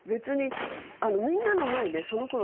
みんなの前でそのころ